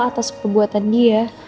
atas kebuatan dia